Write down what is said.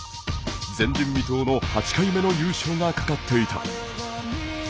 前人未到の８回目の優勝が懸かっていた。